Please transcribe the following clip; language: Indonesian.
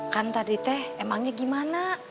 kan tadi teh emangnya gimana